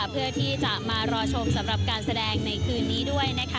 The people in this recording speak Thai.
เพื่อที่จะมารอชมสำหรับการแสดงในคืนนี้ด้วยนะคะ